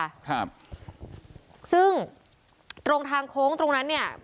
ครับซึ่งตรงทางโค้งตรงนั้นเนี้ย